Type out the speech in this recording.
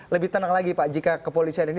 lebih tenang lagi pak jika kepolisian ini